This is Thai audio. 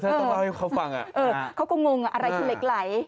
ต้องเล่าให้เขาฟังเขาก็งงอะไรคือเหล็กไหล